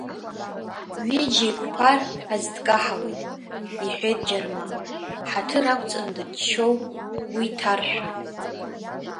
Ҩыџьа еиқәԥар, аӡә дкаҳауеит, — иҳәеит Џьарма, ҳаҭыр ақәҵан дыччо, уи ҭаршәоуп.